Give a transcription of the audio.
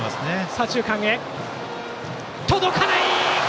左中間、届かない！